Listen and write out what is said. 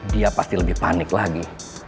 dia pasti lebih panik lagi